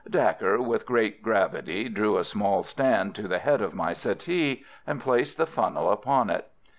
Dacre, with great gravity, drew a small stand to the head of my settee, and placed the funnel upon it.